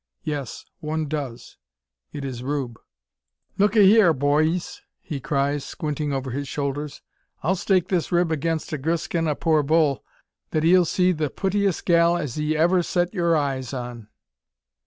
Yes, one does. It is Rube. "Look'ee hyur, boyees!" cries he, squinting over his shoulders; "I'll stake this rib against a griskin o' poor bull that 'ee'll see the puttiest gal as 'ee ever set yur eyes on."